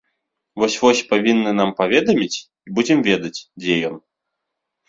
Вось-вось павінны нам паведаміць і будзем ведаць, дзе ён.